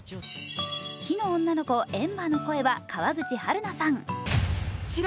火の女の子、エンバーの声は川口春奈さん。